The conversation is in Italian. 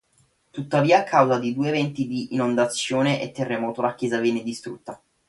Tuttavia, a causa di due eventi di inondazione e terremoto la chiesa venne distrutta.